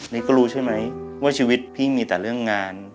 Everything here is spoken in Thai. นี่ก็รู้ใช่ไหมว่าชีวิตพี่มีแต่เรื่องงาน